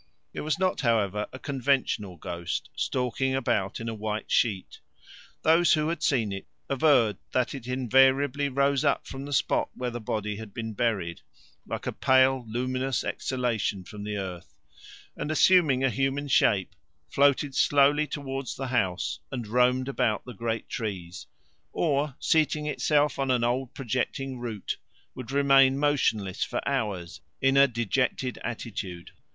It was not, however, a conventional ghost, stalking about in a white sheet; those who had seen it averred that it invariably rose up from the spot where the body had been buried, like a pale, luminous exhalation from the earth, and, assuming a human shape, floated slowly towards the house, and roamed about the great trees, or, seating itself on an old projecting root, would remain motionless for hours in a dejected attitude.